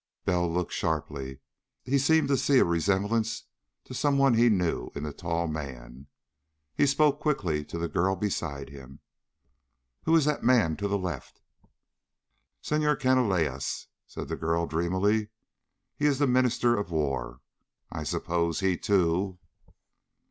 Bell looked sharply. He seemed to see a resemblance to someone he knew in the tall man. He spoke quickly to the girl beside him. "Who is the man to the left?" "Senhor Canalejas," said the girl drearily. "He is the Minister of War. I suppose he, too...."